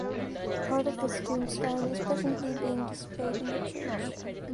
Part of this tombstone is presently being displayed in the church.